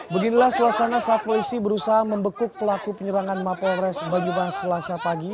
beginilah suasana saat polisi berusaha membekuk pelaku penyerangan mapolres banyumas selasa pagi